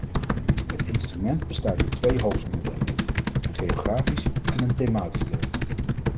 Het instrument bestaat uit twee hoofdonderdelen - een geografisch en een thematisch deel.